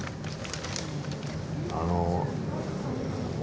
あの。